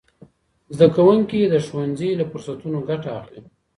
زدهکوونکي د ښوونځي له فرصتونو ګټه اخلي.